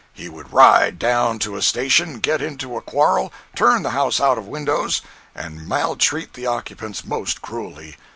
He would ride down to a station, get into a quarrel, turn the house out of windows, and maltreat the occupants most cruelly.